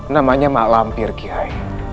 namanya mak lampir kiai